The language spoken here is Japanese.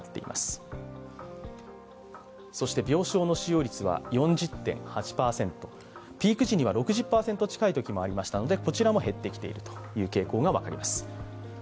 そして、病床の使用率は４０．８％ピーク時には６０％近いときもありましたので、こちらも減ってきているという傾向が分かります。